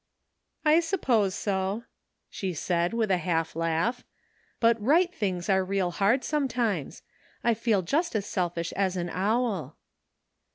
" "I suppose so," she said, with a half laugh; "but right things are real hard sometimes. I feel just as selfish as an owl."